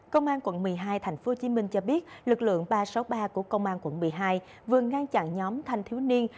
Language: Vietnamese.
công an quận một mươi hai tp hcm cho biết lực lượng ba trăm sáu mươi ba của công an quận một mươi hai vừa ngăn chặn nhóm thanh thiếu niên